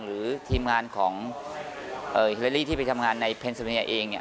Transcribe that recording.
หรือทีมงานของฮิลาลี่ที่ไปทำงานในเพนเซอร์เนียเอง